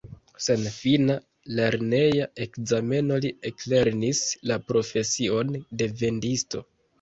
Sen fina lerneja ekzameno li eklernis la profesion de vendisto.